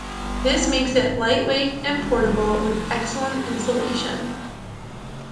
This makes it lightweight and portable with excellent insulation.